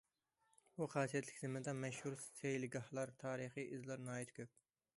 بۇ خاسىيەتلىك زېمىندا مەشھۇر سەيلىگاھلار، تارىخىي ئىزلار ناھايىتى كۆپ.